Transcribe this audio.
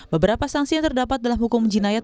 beberapa sanksi yang terdapat dalam hukum jinayat